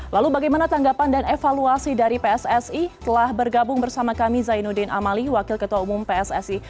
lalu bagaimana tanggapan dan evaluasi dari pssi telah bergabung bersama kami zainuddin amali wakil ketua umum pssi